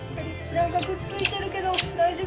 何かくっついてるけど大丈夫？